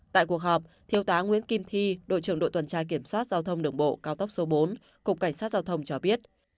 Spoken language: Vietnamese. tại cuộc họp thiếu tá nguyễn kim thi đội trưởng đội tuần tra kiểm soát giao thông đường bộ cao tốc số bốn cục cảnh sát giao thông cho biết